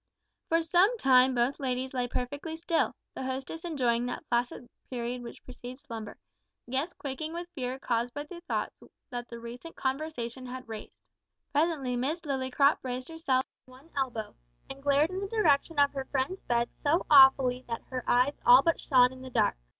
For some time both ladies lay perfectly still; the hostess enjoying that placid period which precedes slumber; the guest quaking with fear caused by the thoughts that the recent conversation had raised. Presently Miss Lillycrop raised herself on one elbow, and glared in the direction of her friend's bed so awfully that her eyes all but shone in the dark.